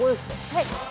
はい。